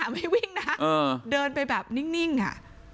อ่าวิ่งนะฮะเดินไปแบบนิ่ง่ะ